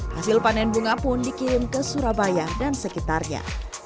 hasil panen bunga pun dikirim ke surabaya dan sekitarnya